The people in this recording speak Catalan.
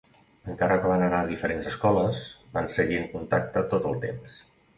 Encara que van anar a diferents escoles, van seguir en contacte tot el temps.